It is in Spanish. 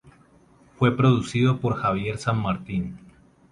Fue producido por Javier San Martín.